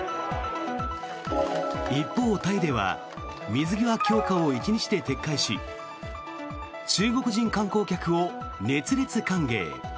一方、タイでは水際強化を１日で撤回し中国人観光客を熱烈歓迎。